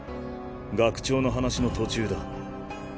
学長の話の途中だ。